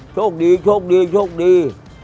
โชคดีโชคดีโชคดี